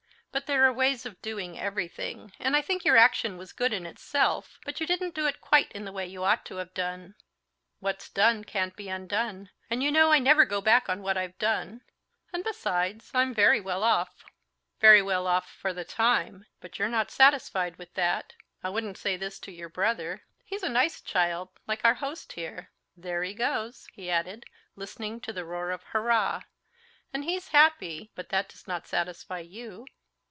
But there are ways of doing everything. And I think your action was good in itself, but you didn't do it quite in the way you ought to have done." "What's done can't be undone, and you know I never go back on what I've done. And besides, I'm very well off." "Very well off—for the time. But you're not satisfied with that. I wouldn't say this to your brother. He's a nice child, like our host here. There he goes!" he added, listening to the roar of "hurrah!"—"and he's happy, but that does not satisfy you."